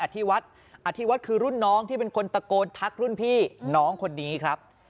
ที่วัดอธิวัฒน์คือรุ่นน้องที่เป็นคนตะโกนทักรุ่นพี่น้องคนนี้ครับ